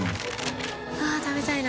あっ食べたいな。